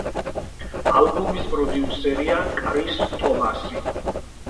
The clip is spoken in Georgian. ალბომის პროდიუსერია კრის თომასი.